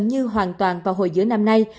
như hoàn toàn vào hồi giữa năm nay